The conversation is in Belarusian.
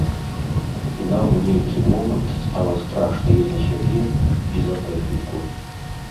І нам у нейкі момант стала страшна і за сябе, і за тэхніку.